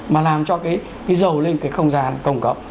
mà làm cho cái giàu lên cái không gian công cộng